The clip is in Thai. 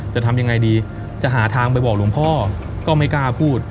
จะทำยังไงดีจะหาทางไปบอกหลวงพ่อก็ไม่กล้าพูด